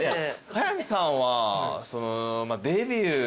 早見さんはデビュー